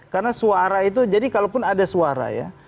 karena suara itu jadi kalaupun ada suara ya